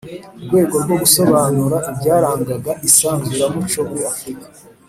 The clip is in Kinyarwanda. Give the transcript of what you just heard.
rwego rwo gusobanura ibyarangaga isanzuramuco muri Afurika